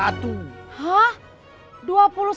maksudku buatkan aku copy dua puluh satu